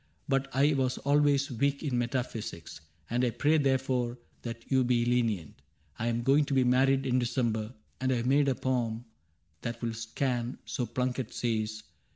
But I was always weak in metaphysics. And I pray therefore that you be lenient. I *m going to be married in December, And I have made a poem that will scan — So Plunket says.